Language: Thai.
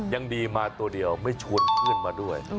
ยังดีมาตัวเดียวไม่ชวนเพื่อนมาด้วย